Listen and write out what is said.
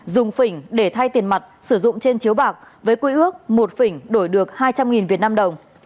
dùng phỉnh để thay tiền mặt sử dụng trên chiếu bạc với quy ước một phỉnh đổi được hai trăm linh vnđ